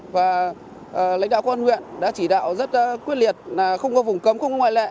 và lãnh đạo công an huyện đã chỉ đạo rất quyết liệt là không có vùng cấm không có ngoại lệ